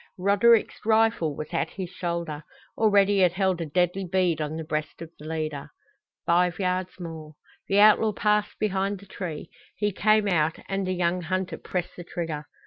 Roderick's rifle was at his shoulder. Already it held a deadly bead on the breast of the leader. Five yards more The outlaw passed behind the tree; he came out, and the young hunter pressed the trigger.